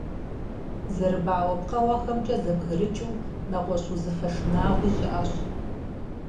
Зэрыбауэ пкъыгъуэхэмкӀэ зэбгрыкӀыу нэгъуэщӀ узыфэ шынагъуи щыӀэщ.